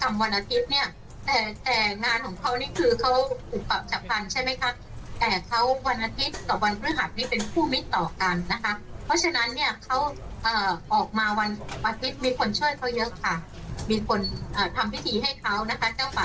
มีผู้คนทำพิธีให้เค้านะคะเจ้าปากเจ้าเขา